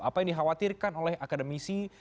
apa yang dikhawatirkan oleh akademisi